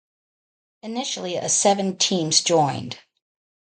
Initially of seven teams joined.